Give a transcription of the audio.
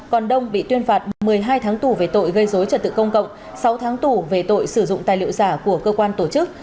còn đông bị tuyên phạt một mươi hai tháng tù về tội gây dối trật tự công cộng sáu tháng tù về tội sử dụng tài liệu giả của cơ quan tổ chức